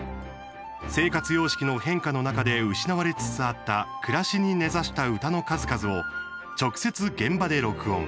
生活様式の変化の中で失われつつあった暮らしに根ざした唄の数々を直接現場で録音。